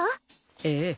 ええ。